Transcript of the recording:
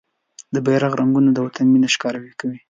د بېرغ رنګونه د وطن مينه ښکاره کوي.